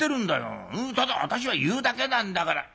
ただ私は言うだけなんだから。